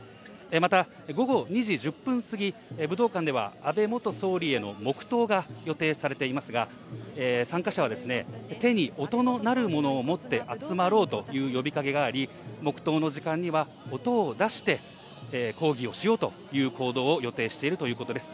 また、午後２時１０分過ぎ、武道館では安倍元総理への黙とうが予定されていますが、参加者は手に音の鳴るものを持って集まろうという呼びかけがあり、黙とうの時間には音を出して、抗議をしようという行動を予定しているということです。